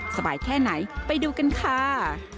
สบายแค่ไหนไปดูกันค่ะ